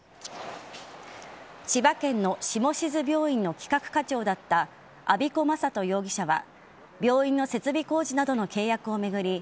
千葉県の下志津病院の企画課長だった安彦昌人容疑者は病院の設備工事などの契約を巡り